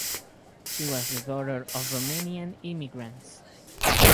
She was the daughter of Romanian immigrants.